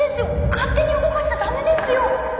勝手に動かしちゃ駄目ですよ！